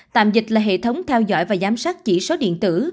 tạm dịch là hệ thống theo dõi và giám sát chỉ số điện tử